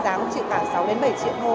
giá cũng chỉ khoảng sáu bảy triệu thôi